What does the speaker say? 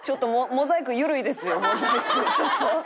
モザイクちょっと。